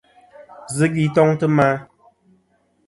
Zɨ gvi toŋtɨ ma.